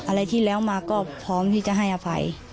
อะไรที่แล้วมาก็พร้อมที่จะให้อภัย